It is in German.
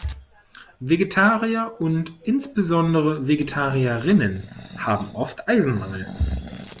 Vegetarier und insbesondere Vegetarierinnen haben oft Eisenmangel.